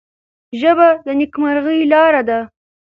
ژبه د نیکمرغۍ لاره ده